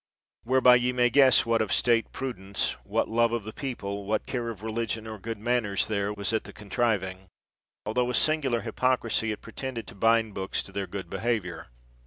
Whereby ye may guess what kind of state pru dence, what love of the people, what care of re ligion or good manners there was at the con triving, altho with singular hypocrisy it pre tended to bind books to their good behavior.